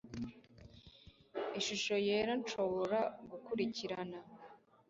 ishusho yera nshobora gukurikirana